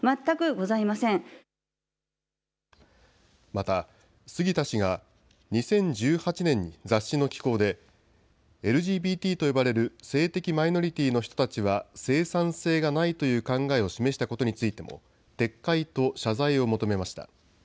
また杉田氏が２０１８年に雑誌の寄稿でＬＧＢＴと呼ばれる性的マイノリティーの人たちは生産性がないという考えを示したことについても撤回と謝罪を求めました。